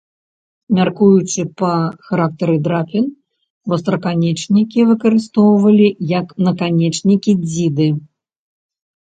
Мяркуючы па характары драпін, востраканечнікі выкарыстоўвалі як наканечнікі дзіды.